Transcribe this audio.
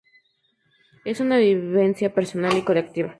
Es una vivencia personal y colectiva.